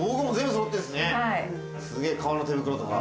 すげぇ革の手袋とか。